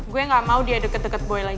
gue gak mau dia deket deket boy lagi